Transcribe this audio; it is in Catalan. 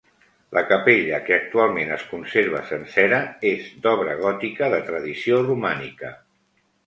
La capella que actualment es conserva sencera és d'obra gòtica de tradició romànica.